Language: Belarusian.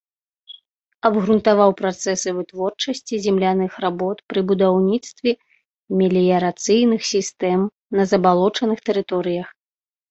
Абгрунтаваў працэсы вытворчасці земляных работ пры будаўніцтве меліярацыйных сістэм на забалочаных тэрыторыях.